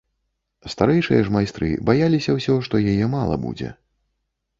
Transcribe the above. Старэйшыя ж майстры баяліся ўсё, што яе мала будзе.